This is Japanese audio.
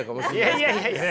いやいやいやいや！